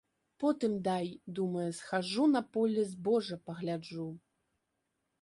Потым дай, думае, схаджу на поле збожжа пагляджу.